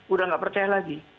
udah nggak percaya lagi